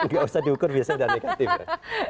biar usah diukur biasanya negatif ya